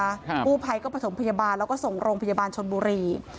ค่ะสพเสม็จกู้ไพรก็ไปถงพยาบาลแล้วก็ส่งลงพยาบาลชนบุรี